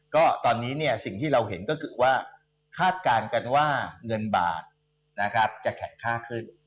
ก็ตอนนี้สิ่งที่เราเห็นก็คือว่าคาดการณ์กันว่าเงินบาทจะแข็งค่าขึ้น